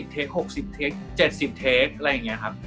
เทค๖๐เทค๗๐เทปอะไรอย่างนี้ครับ